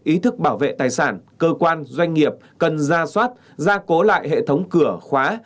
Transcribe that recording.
ý thức bảo vệ tài sản cơ quan doanh nghiệp cần ra soát gia cố lại hệ thống cửa khóa